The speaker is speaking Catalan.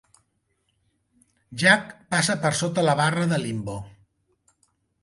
Jack passa per sota la barra de Limbo.